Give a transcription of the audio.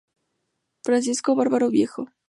Francisco Barbado Viejo.